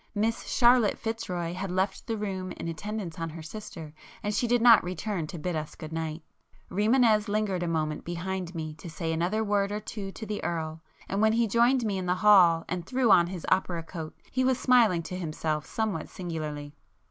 Miss Charlotte Fitzroy had left the room in attendance on her sister, and she did not return to bid us good night. Rimânez lingered a moment behind me to say [p 162] another word or two to the Earl, and when he joined me in the hall and threw on his opera coat, he was smiling to himself somewhat singularly.